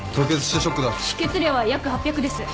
出血量は約８００です。